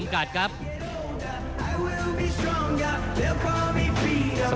ท่านแรกครับจันทรุ่ม